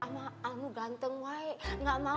jadi yang di rumahnya sudah